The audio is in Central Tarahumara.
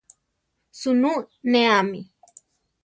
Suunú ne amí.